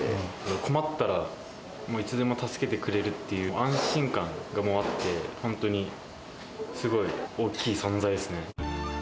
困ったら、もういつでも助けてくれるっていう安心感がもうあって、本当にすごい大きい存在ですね。